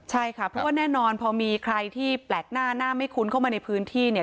ใช่ค่ะเพราะว่าแน่นอนพอมีใครที่แปลกหน้าหน้าไม่คุ้นเข้ามาในพื้นที่เนี่ย